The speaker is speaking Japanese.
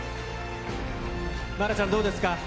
愛菜ちゃん、どうでしたか？